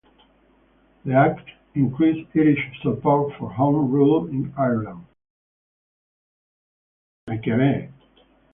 The act increased Irish support for home rule in Ireland.